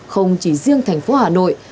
không chỉ riêng thành phố hà nội